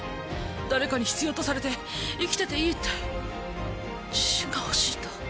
誰かに必要とされて生きてていいって自信が欲しいんだ。